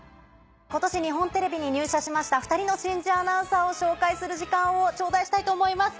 今年日本テレビに入社しました２人の新人アナウンサーを紹介する時間を頂戴したいと思います。